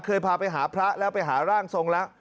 เคยพาไปหาพระแล้วไปหาร่างทรงละ